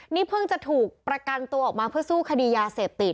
นี่เพิ่งจะถูกประกันตัวออกมาเพื่อสู้คดียาเสพติด